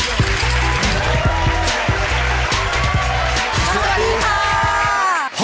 สวัสดีค่ะ